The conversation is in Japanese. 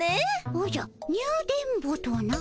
おじゃニュ電ボとな？